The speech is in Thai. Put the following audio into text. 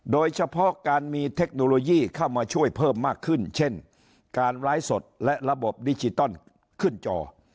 โดยเฉพาะการมีเทคโนโลยีเข้ามาช่วยเพิ่มมากขึ้นเช่นการไลฟ์สดและระบบดิจิตอลขึ้นจอ